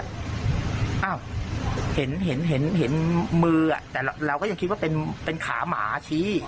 อ้าวเห็นเห็นมือแต่เราก็ยังคิดว่าเป็นขาหมาชี้